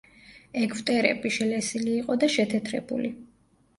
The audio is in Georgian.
ეგვტერები შელესილი იყო და შეთეთრებული.